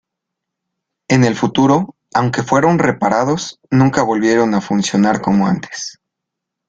En el futuro, aunque fueron reparados, nunca volvieron a funcionar como antes.